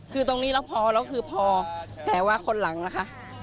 คือตรงนี้แล้วพอแล้วคือพอแต่ว่าคนหลังนะคะ